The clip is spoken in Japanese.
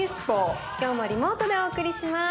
今日もリモートでお送りします。